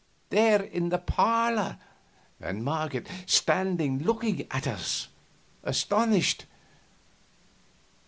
There in the parlor, and Marget standing looking at us, astonished.